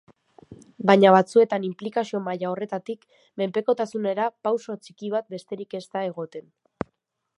Baina batzuetan inplikazio maila horretatik menpekotasunera pauso txiki bat besterik ez da egoten.